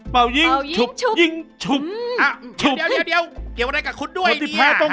เป่ายิงฉุบอ้าวเดี๋ยวเดี๋ยวเดี๋ยวเดี๋ยว